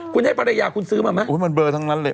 คุณให้ภรรยาคุณซื้อมาไหมมันเบลอทั้งนั้นเลย